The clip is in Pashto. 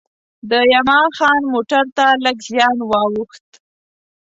د یما خان موټر ته لږ زیان وا ووښت.